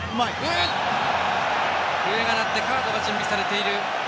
笛が鳴ってカードが準備されている。